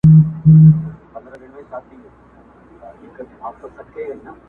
بېله ځنډه به دې یوسي تر خپل کلي-